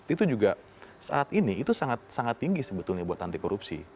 itu juga saat ini itu sangat sangat tinggi sebetulnya buat anti korupsi